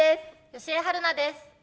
吉江晴菜です。